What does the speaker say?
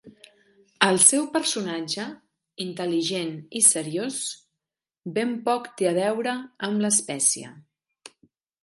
El seu personatge, intel·ligent i seriós, ben poc té a veure amb l'espècie.